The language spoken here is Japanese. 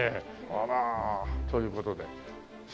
あら。という事でさあ。